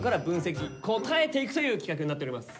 答えていくという企画になっております。